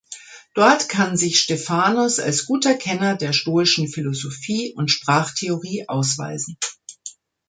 Dort kann sich Stephanos als guter Kenner der stoischen Philosophie und Sprachtheorie ausweisen.